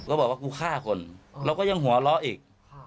บอกว่ากูฆ่าคนเราก็ยังหัวเราะอีก